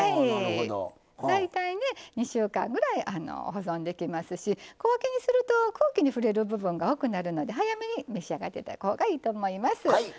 大体２週間ぐらい保存できいますし小分けにすると空気に触れる部分が多くなるので、早めに召し上がっていただくほうがいいと思います。